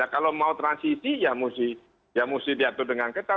kalau mau transisi ya mesti diatur dengan ketat